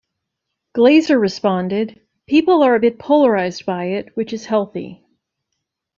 Glazer responded, "People are a bit polarised by it, which is healthy".